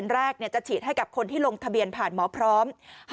แรกจะฉีดให้กับคนที่ลงทะเบียนผ่านหมอพร้อม